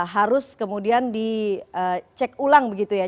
harus kemudian dicek ulang begitu ya